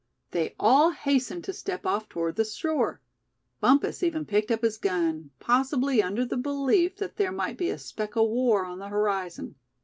They all hastened to step off toward the shore. Bumpus even picked up his gun, possibly under the belief that there might be a speck of war on the horizon.